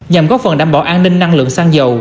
nhằm góp phần đảm bảo an ninh năng lượng sang dầu